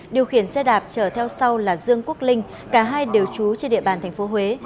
điều khiển xe đạp chở theo sau là dương quốc linh cả hai đều trú trên địa bàn tp huế